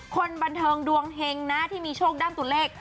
คนบันเทิงดวงเฮงนะที่มีโชคด้านตัวเลข